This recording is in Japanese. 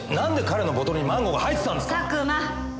岸田のボトルにマンゴーが入ってたんですか？